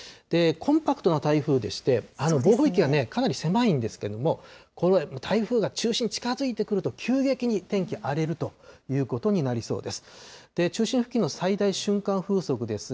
コンパクトな台風でして、暴風域はかなり狭いんですけれども、これ、台風が中心に近づいてくると、急激に天気が荒れるということになりそうです。